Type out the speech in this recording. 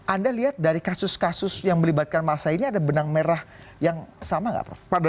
anda lihat dari kasus kasus yang melibatkan masa ini ada benang merah yang sama nggak prof